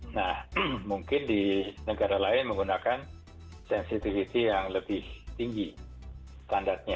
nah mungkin di negara lain menggunakan sensitivity yang lebih tinggi standarnya